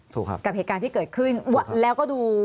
ครับกับเหตุการณ์ที่เกิดขึ้นแล้วก็ดู